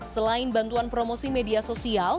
selain bantuan promosi media sosial